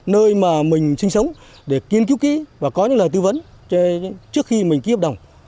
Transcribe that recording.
nơi mà mình sinh sống để kiên cứu kỹ và có những lời tư vấn trước khi mình ký hợp đồng